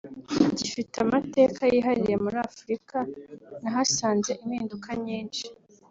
gifite amateka yihariye muri Afurika […] Nahasanze impinduka nyinshi